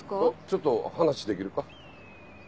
ちょっと話できるか？